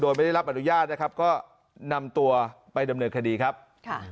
โดยไม่ได้รับอนุญาตนะครับก็นำตัวไปดำเนินคดีครับค่ะ